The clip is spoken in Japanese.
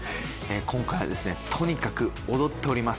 今回はとにかく踊っております